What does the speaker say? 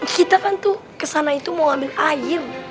kita kan tuh kesana itu mau ambil air